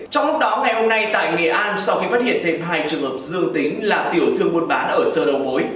trong lúc đó ngày hôm nay tại nghệ an sau khi phát hiện thêm hai trường hợp dương tính là tiểu thương buôn bán ở sơ đầu mối